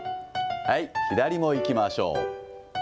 はい、左もいきましょう。